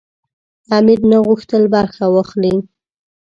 امیر نه غوښتل برخه واخلي.